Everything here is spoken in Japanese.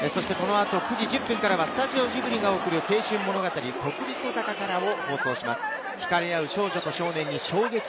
このあと９時１０分からはスタジオジブリがお送りする青春物語『コクリコ坂から』をお送りします。